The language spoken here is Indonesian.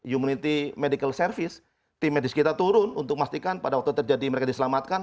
hummunity medical service tim medis kita turun untuk memastikan pada waktu terjadi mereka diselamatkan